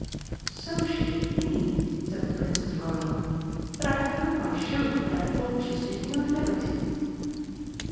"So she did me!" said the Princess Royal, "but I hope I showed that I thought she was taking a liberty."